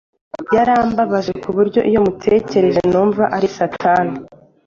Yarambabaje kuburyo iyo mutekereje numva ari satani